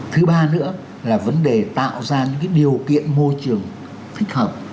thứ ba nữa là vấn đề tạo ra những điều kiện môi trường thích hợp